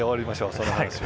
その話は。